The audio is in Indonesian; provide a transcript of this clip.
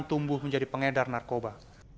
tumbuh menjadi pengedar narkoba